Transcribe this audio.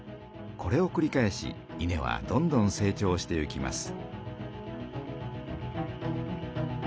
これをくり返し稲はどんどん成長していきます。